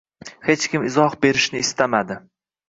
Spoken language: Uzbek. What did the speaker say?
hech kim izoh berishni istamadi.